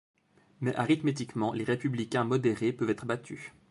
Mais arithmétiquement les républicains modérés peuvent être battus.